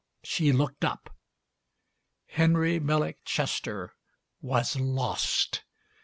She looked up. Henry Millick Chester was lost.